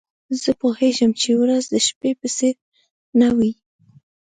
زه پوهیږم چي ورځ د شپې په څېر نه وي.